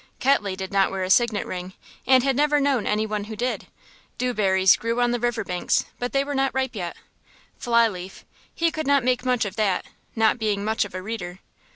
Ketley did not wear a signet ring, and had never known anyone who did. Dewberries grew on the river banks, but they were not ripe yet. Fly leaf, he could not make much of that not being much of a reader.